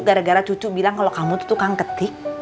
gara gara cucu bilang kalau kamu tuh tukang ketik